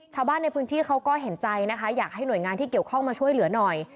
ชาวบ้านในพื้นที่เขาก็เห็นใจนะคะอยากให้หน่วยงานที่เกี่ยวข้องมาช่วยเหลือหน่อย